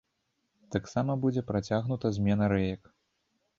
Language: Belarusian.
Таксама будзе працягнута замена рэек.